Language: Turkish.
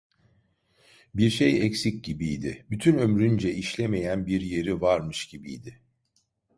Bir şey eksik gibiydi, bütün ömrünce işlemeyen bir yeri varmış gibiydi.